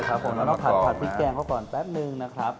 แล้วเราขัดผิกแกงเข้าก่อนเป็นนึง